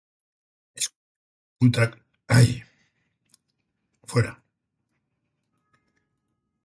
Eskatutako profila lortzeko epea bukatu zaien langileen herenak dira.